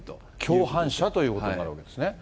共犯者ということになるわけですね。